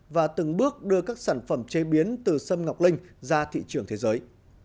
và từng bước đưa các sản phẩm chế biến từ sâm ngọc linh ra thị trường thế giới